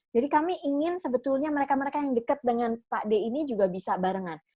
jadi kami ingin sebetulnya mereka mereka yang dekat dengan pak deddy ini juga bisa barengan